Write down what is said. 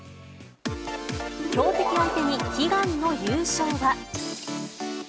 強敵相手に悲願の優勝は。